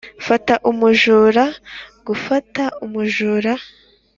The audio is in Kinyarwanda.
fata umujura gufata umujura